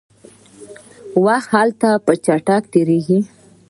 وخت هلته په چټکۍ تیریږي.